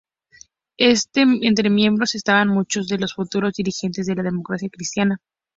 Entre sus miembros estaban muchos de los futuros dirigentes de la Democracia Cristiana.